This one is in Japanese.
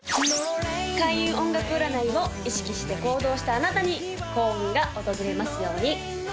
開運音楽占いを意識して行動したあなたに幸運が訪れますように！